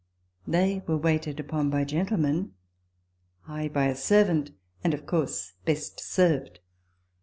They were waited upon by Gentlemen I by a servant ; and, of course, best served.